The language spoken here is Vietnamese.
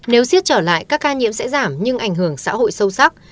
nếu xét trở lại các ca nhiễm sẽ giảm nhưng ảnh hưởng xã hội sâu sắc